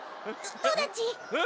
どうだち？